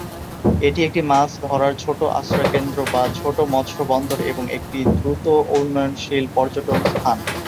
এটি একটি মাছ ধরার ছোট আশ্রয় কেন্দ্র বা ছোট মৎস বন্দর এবং একটি দ্রুত উন্নয়নশীল পর্যটক স্থান।